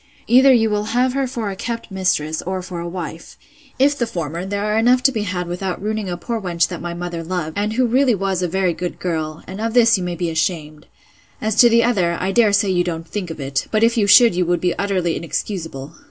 Either you will have her for a kept mistress, or for a wife. If the former, there are enough to be had without ruining a poor wench that my mother loved, and who really was a very good girl: and of this you may be ashamed. As to the other, I dare say you don't think of it; but if you should, you would be utterly inexcusable.